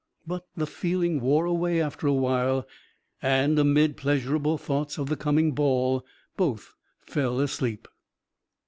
But the feeling wore away after a while and amid pleasurable thoughts of the coming ball both fell asleep.